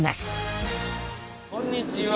こんにちは。